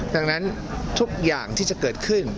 ดังนั้นทุกอย่างที่จะเกิดขึ้น